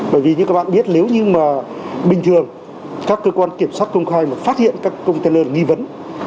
bởi vì như các bạn biết nếu như mà bình thường các cơ quan kiểm soát công khai mà phát hiện các container nghi vấn